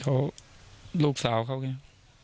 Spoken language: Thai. เขาลูกสาวเขาเนี่ย